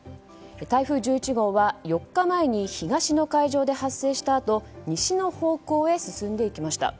台風１１号は４日前に東の海上で発生したあと西の方向へ進んでいきました。